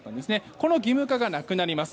この義務化がなくなります。